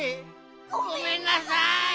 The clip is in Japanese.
ごめんなさい！